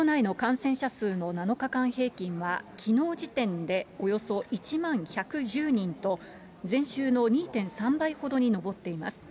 東京都内の感染者数の７日間平均は、きのう時点でおよそ１万１１０人と、前週の２．３倍ほどに上っています。